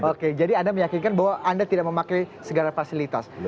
oke jadi anda meyakinkan bahwa anda tidak memakai segala fasilitas